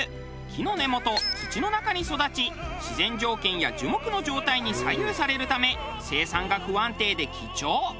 木の根元土の中に育ち自然条件や樹木の状態に左右されるため生産が不安定で貴重。